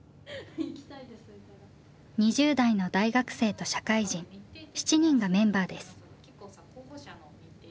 ２０代の大学生と社会人７人がメンバーです。